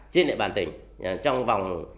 trên địa bàn tỉnh trong vòng